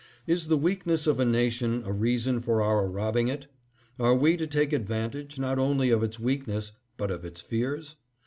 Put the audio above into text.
Is the weakness of a nation a reason for our robbing it? Are we to take advan tage, not only of its weakness, but of its fears?